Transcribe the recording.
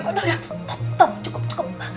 aduh ya stop stop cukup cukup